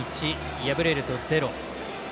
敗れると０。